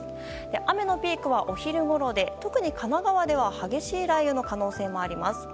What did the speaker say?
雨のピークは、お昼ごろで特に神奈川では激しい雷雨の可能性もあります。